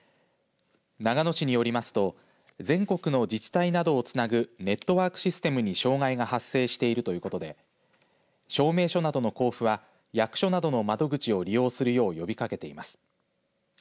長野市によりますと全国の自治体などをつなぐネットワークシステムに障害が発生しているということで証明書などの交付は、役所などの窓口を利用するよう呼びかけています。